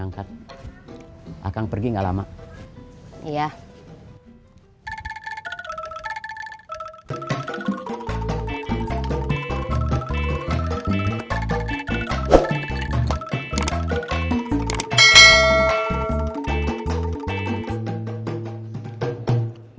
untuk dapat info terbaru